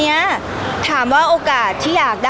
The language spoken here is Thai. พี่ตอบได้แค่นี้จริงค่ะ